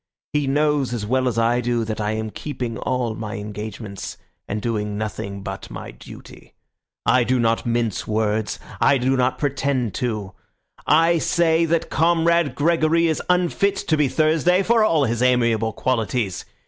He knows as well as I do that I am keeping all my engagements and doing nothing but my duty. I do not mince words. I do not pretend to. I say that Comrade Gregory is unfit to be Thursday for all his amiable qualities.